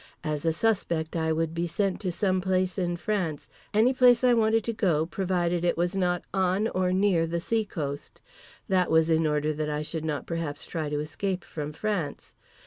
As a suspect I would be sent to some place in France, any place I wanted to go, provided it was not on or near the sea coast. That was in order that I should not perhaps try to escape from France.